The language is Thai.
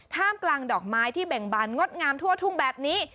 ท่ามกลางดอกไม้ที่เบ่งบานงดงามทั่วทุ่งแบบนี้